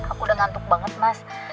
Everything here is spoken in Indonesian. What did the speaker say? aku udah ngantuk banget mas